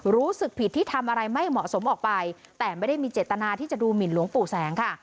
รู้สึกผิดที่ทำอะไรไม่เหมาะสมออกไปแต่ไม่ได้มีเจตนาที่จะดูหมินหลวงปู่แสงค่ะ